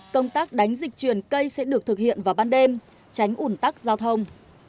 công tác đánh dịch chuyển cây sẽ được thực hiện vào ban đêm tránh ủn tắc giao thông